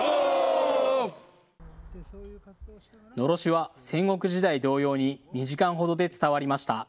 のろしは戦国時代同様に２時間ほどで伝わりました。